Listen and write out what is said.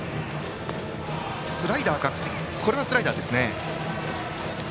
今のはスライダーですね。